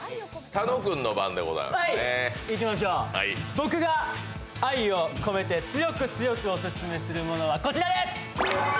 僕が愛を込めて強く強くオススメするものはこちらです。